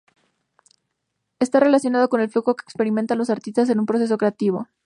Está relacionado con el flujo que experimentan los artistas en un proceso creativo.